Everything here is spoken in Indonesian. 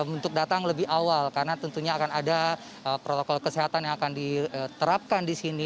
untuk datang lebih awal karena tentunya akan ada protokol kesehatan yang akan diterapkan di sini